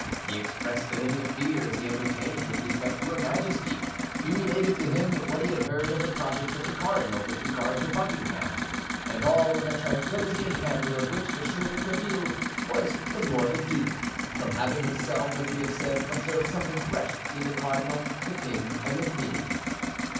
He expressed to him the fears he entertained with respect to her Majesty; he related to him what he had heard of the projects of the cardinal with regard to Buckingham, and all with a tranquillity and candor of which M. de Tréville was the more the dupe, from having himself, as we have said, observed something fresh between the cardinal, the king, and the queen.